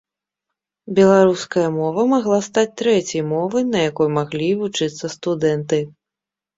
Беларуская мова магла стаць трэцяй мовай, на якой маглі вучыцца студэнты.